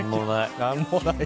何もない。